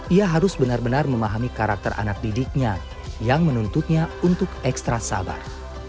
ia harus benar benar memahami karakter anak didiknya yang menuntutnya untuk ekstra sabar